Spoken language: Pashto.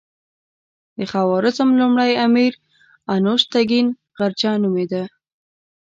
د خوارزم لومړی امیر انوشتګین غرجه نومېده.